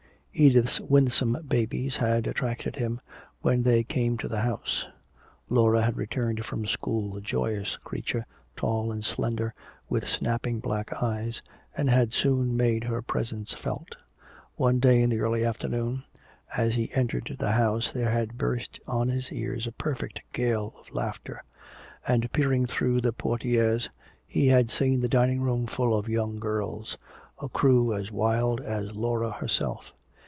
Edith's winsome babies had attracted him when they came to the house. Laura had returned from school, a joyous creature, tall and slender, with snapping black eyes, and had soon made her presence felt. One day in the early afternoon, as he entered the house there had burst on his ears a perfect gale of laughter; and peering through the portières he had seen the dining room full of young girls, a crew as wild as Laura herself.